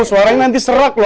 suaranya nanti serak loh